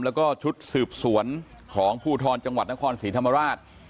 แล้วก็ชุดสืบสวนของภูทรจังหวัดนครศรีธรรมราช